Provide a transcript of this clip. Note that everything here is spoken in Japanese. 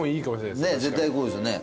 絶対こうですよね。